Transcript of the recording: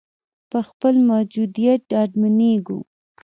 په خپل موجودیت ډاډمنېږو.